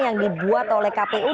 yang dibuat oleh kpo